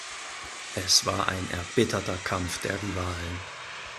Es war ein erbitterter Kampf der Rivalen.